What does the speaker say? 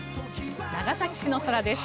長崎市の空です。